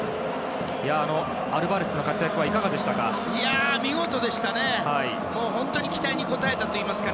アルバレスの活躍はいかがでしたか？